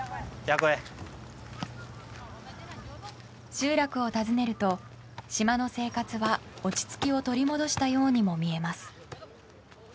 集落を訪ねると、島の生活は落ち着きを取り戻したようにも見えます。